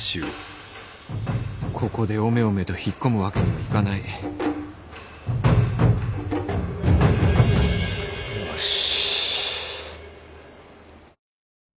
ここでおめおめと引っ込むわけにはいかないよし。